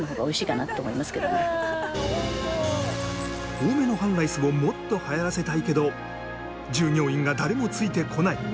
多めの半ライスをもっと流行らせたいけど従業員が誰もついてこない。